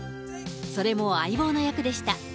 それも相棒の役でした。